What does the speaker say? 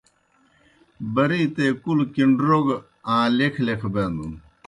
بَرِیتے کُلہ کِݨروگہ آں لیکھہ لیکھہ بینَن۔